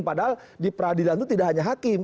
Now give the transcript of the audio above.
padahal di peradilan itu tidak hanya hakim